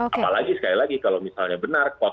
apalagi sekali lagi kalau misalnya benar